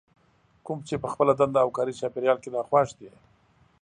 کوم چې په خپله دنده او کاري چاپېريال کې ناخوښ دي.